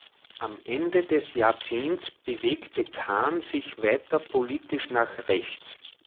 Am Ende des Jahrzehnts bewegte Kahn sich weiter politisch nach rechts.